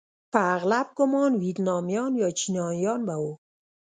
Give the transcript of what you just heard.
په اغلب ګومان ویتنامیان یا چینایان به وو.